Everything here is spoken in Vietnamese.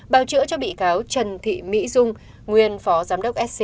bào chữa cho bị cáo trần thị mỹ dung nguyên phó giám đốc sc